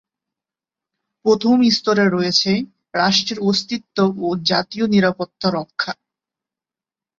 প্রাথমিক স্তরে রয়েছে রাষ্ট্রের অস্তিত্ব ও জাতীয় নিরাপত্তা রক্ষা।